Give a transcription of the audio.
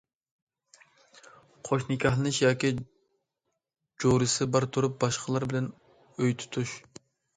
قوش نىكاھلىنىش ياكى جورىسى بار تۇرۇپ باشقىلار بىلەن ئۆي تۇتۇش.